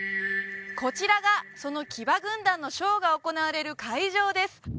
こちらがその騎馬軍団のショーが行われる会場です